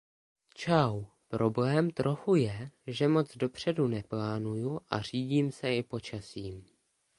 Čau, problém trochu je, že moc dopředu neplánuju a řídím se i počasím.